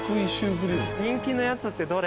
人気のやつってどれ？